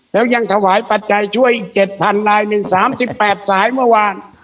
แล้วยังถวายปัจจัยช่วยอีกเจ็ดพันรายหนึ่งสามสิบแปดสายเมื่อวาน